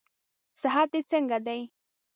صحت دې څنګه دئ؟